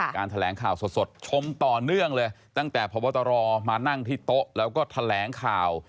แถลงข่าวสดชมต่อเนื่องเลยตั้งแต่พบตรมานั่งที่โต๊ะแล้วก็แถลงข่าว